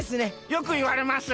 よくいわれます。